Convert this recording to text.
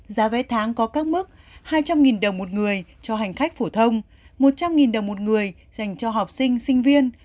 giá vé tháng có các mức hai trăm linh đồng một người cho hành khách phổ thông một trăm linh đồng một người dành cho học sinh sinh viên